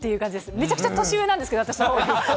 めちゃくちゃ年上なんですけど、私のほうが。